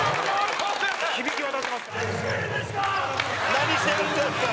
「何してるんですか！」。